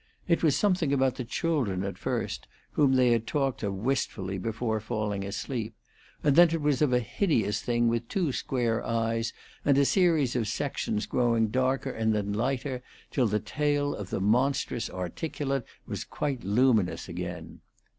It was something about the children at first, whom they had talked of wistfully before falling asleep, and then it was of a hideous thing with two square eyes and a series of sections growing darker and then lighter, till the tail of the monstrous articulate was quite luminous again.